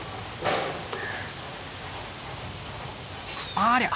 ありゃ！